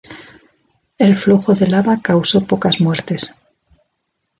El flujo de lava causó pocas muertes.